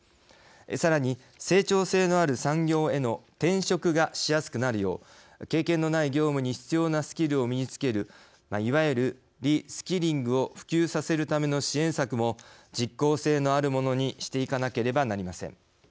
さらに、成長性のある産業への転職がしやすくなるよう経験のない業務に必要なスキルを身につけるいわゆるリスキリングを普及させるための支援策も実効性のあるものにしていかなければなりません。